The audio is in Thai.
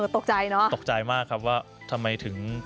ตกใจเนอะตกใจมากครับว่าทำไมถึง